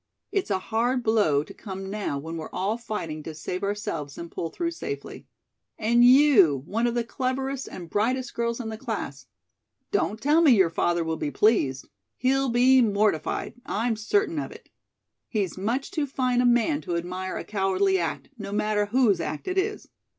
It's a hard blow to come now when we're all fighting to save ourselves and pull through safely. And you one of the cleverest and brightest girls in the class. Don't tell me your father will be pleased. He'll be mortified, I'm certain of it. He's much too fine a man to admire a cowardly act, no matter whose act it is.